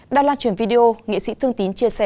đã lan truyền video nghệ sĩ thương tín chia sẻ